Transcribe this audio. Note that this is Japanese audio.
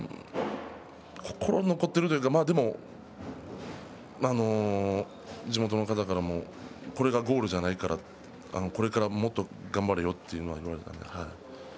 心に残っているとまあでも地元の方からこれがゴールじゃないからこれからもっと頑張れよと言われました。